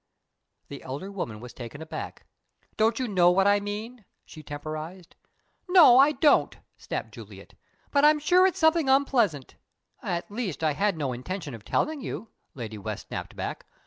The elder woman was taken aback. "Don't you know what I mean?" she temporized. "No, I don't," snapped Juliet. "But I'm sure it's something unpleasant." "At least, I had no intention of telling you," Lady West snapped back.